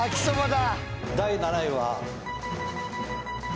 第７位は。